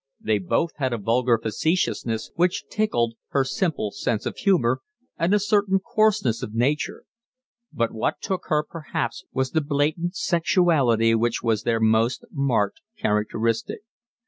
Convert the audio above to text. They both had a vulgar facetiousness which tickled her simple sense of humour, and a certain coarseness of nature; but what took her perhaps was the blatant sexuality which was their most marked characteristic.